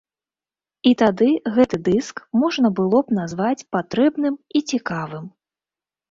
І тады гэты дыск можна было б назваць патрэбным і цікавым.